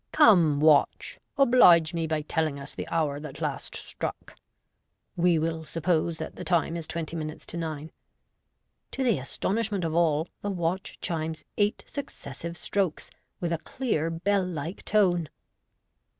" Come, watch, oblige me by telling us the hour that last struck. (We will suj'p <se that the time is twenty minutes to nine.) To the astonishment of all, the watch chimes eight successive strokes, with a clear bell like tone.